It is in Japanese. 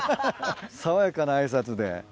爽やかな挨拶で。